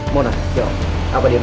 mona yo apa dia benar